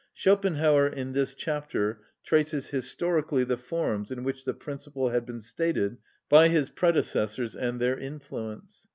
Schopenhauer in this chapter traces historically the forms in which the principle had been stated by his predecessors, and their influence.